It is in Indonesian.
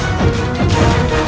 ketika kanda menang kanda menang